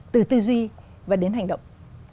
từ tư duy và đến hành động